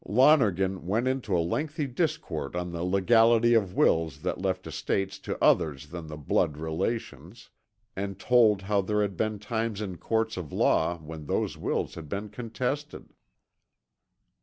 Lonergan went into a lengthy discourse on the legality of wills that left estates to others than the blood relations, and told how there had been times in courts of law when those wills had been contested.